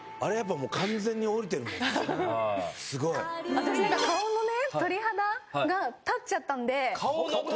私なんか。が立っちゃったんで。